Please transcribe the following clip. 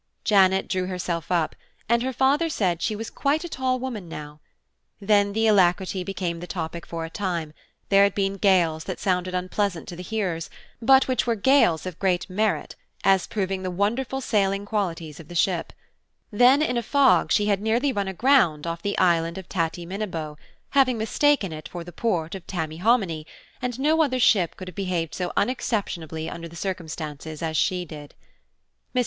Janet drew herself up, and her father said she was quite a tall woman now. Then the Alacrity became the topic for a time: there had been gales that sounded unpleasant to the hearers, but which were gales of great merit, as proving the wonderful sailing qualities of the ship; then in a fog she had nearly run aground off the island of Tattyminibo, having mistaken it for the port of Tammyhominy, and no other ship could have behaved so unexceptionably under the circumstances as she did. Mrs.